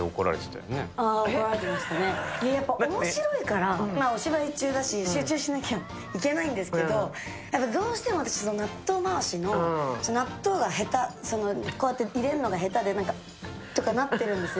やっぱ面白いから、お芝居中だし集中しなきゃいけないんですけど、どうしても、納豆回しの納豆を入れるのがへたで、ちょっとなってるんです。